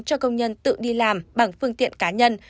cho công nhân tự đi làm bằng phương tiện cá nhân